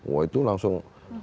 wah itu langsung